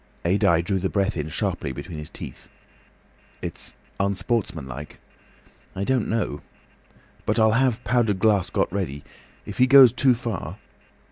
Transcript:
Adye drew the air in sharply between his teeth. "It's unsportsmanlike. I don't know. But I'll have powdered glass got ready. If he goes too far...."